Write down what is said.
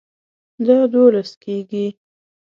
دا دوولس کیږي